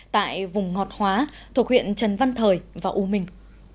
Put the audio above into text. tại vùng ngọt hóa thuộc huyện trần văn thời và u minh